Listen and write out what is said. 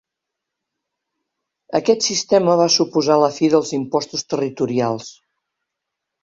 Aquest sistema va suposar la fi dels impostos territorials.